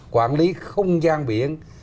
quản lý không gian biển